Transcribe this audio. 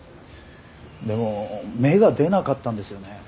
でも芽が出なかったんですよね？